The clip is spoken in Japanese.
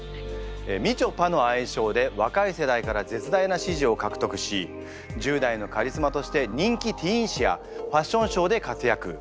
「みちょぱ」の愛称で若い世代から絶大な支持を獲得し１０代のカリスマとして人気ティーン誌やファッションショーで活躍。